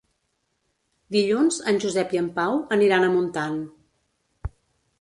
Dilluns en Josep i en Pau aniran a Montant.